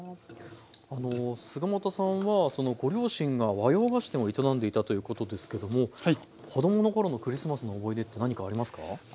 菅又さんはご両親が和洋菓子店を営んでいたということですけども子どもの頃のクリスマスの思い出って何かありますか？